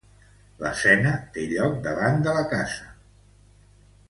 L'escena té lloc davant de la casa de Dulcinea.